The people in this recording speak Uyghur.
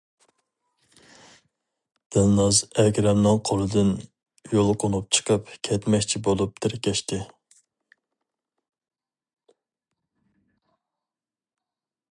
دىلناز ئەكرەمنىڭ قولىدىن يۇلقۇنۇپ چىقىپ كەتمەكچى بولۇپ تىركەشتى.